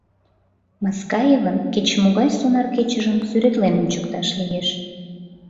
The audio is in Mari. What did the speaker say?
Маскаевын кеч-могай сонар кечыжым сӱретлен ончыкташ лиеш.